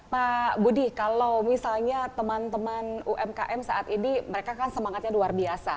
pak budi kalau misalnya teman teman umkm saat ini mereka kan semangatnya luar biasa